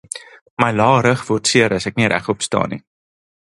My lae rug word seer as ek nie regop staan nie.